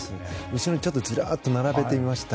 後ろにずらーっと並べてみました。